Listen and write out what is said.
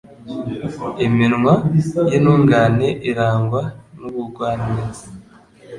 Iminwa y’intungane irangwa n’ubugwaneza